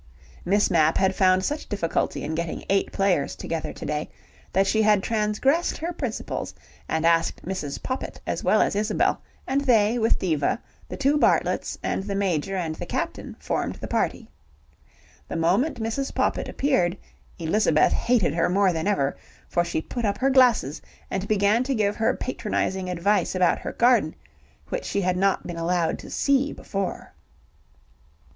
Miss Mapp had found such difficulty in getting eight players together to day, that she had transgressed her principles and asked Mrs. Poppit as well as Isabel, and they, with Diva, the two Bartletts, and the Major and the Captain, formed the party. The moment Mrs. Poppit appeared, Elizabeth hated her more than ever, for she put up her glasses, and began to give her patronizing advice about her garden, which she had not been allowed to see before.